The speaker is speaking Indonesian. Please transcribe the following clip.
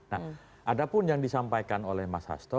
nah ada pun yang disampaikan oleh mas hasto